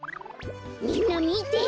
みんなみて。